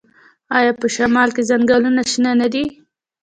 آیا په شمال کې ځنګلونه شنه نه دي؟